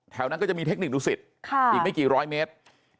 นั้นก็จะมีเทคนิคดุสิตอีกไม่กี่ร้อยเมตร